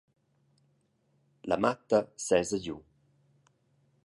La matta sesa giu.